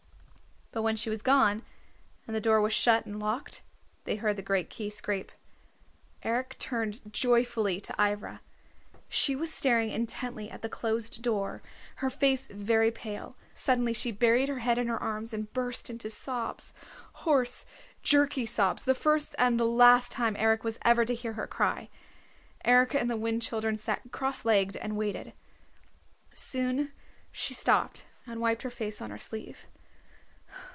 But when she was gone, and the door was shut and locked they heard the great key scrape Eric turned joyfully to Ivra. She was staring intently at the closed door, her face very pale. Suddenly she buried her head in her arms and burst into sobs, hoarse, jerky sobs, the first and the last time Eric was ever to hear her cry. Eric and the Wind Children sat cross legged and waited. Soon she stopped and wiped her face on her sleeve.